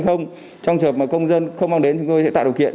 trong trường hợp mà công dân không mang đến chúng tôi sẽ tạo điều kiện